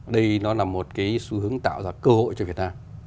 đây nó là một cái xu hướng tạo ra cơ hội cho việt nam